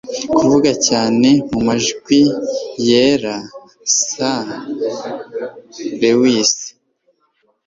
kuvuga cyane mu majwi yera - c s lewis